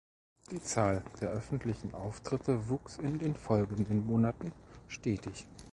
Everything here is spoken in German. Die Zahl der öffentlichen Auftritte wuchs in den folgenden Monaten stetig.